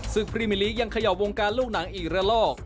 ซึ่งพรีมิลิยังเขย่าวงการลูกหนังอีกระลอก